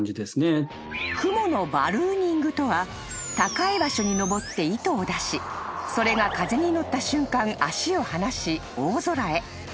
［クモのバルーニングとは高い場所にのぼって糸を出しそれが風に乗った瞬間足を離し大空へ］